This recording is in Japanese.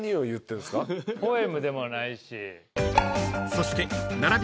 ［そして］